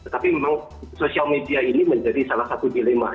tapi memang social media ini menjadi salah satu dilema